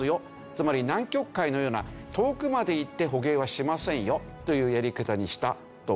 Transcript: つまり南極海のような遠くまで行って捕鯨はしませんよというやり方にしたという事なんですね。